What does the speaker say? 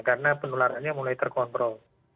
karena penularannya mulai terkontrol